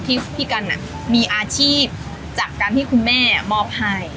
พี่กันมีอาชีพจากการที่คุณแม่มอบให้